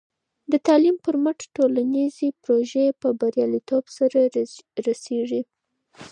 د تعلیم پر مټ، ټولنیزې پروژې په بریالیتوب سرته رسېږي.